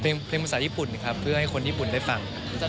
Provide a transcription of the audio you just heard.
เพลงภาษาญี่ปุ่นครับเพื่อให้คนญี่ปุ่นได้ฟัง